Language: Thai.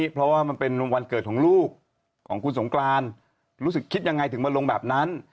เพราะว่ามันเป็นวันเกิดของลูกของคุณสงกรานรู้สึกคิดยังไงถึงมาลงแบบนั้น